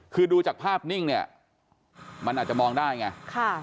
คือดูจากภาพนิ่งเนี่ยมันอาจจะมองได้ไง